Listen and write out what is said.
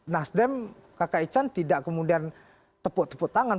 nasdem kakak ican tidak kemudian tepuk tepuk tangan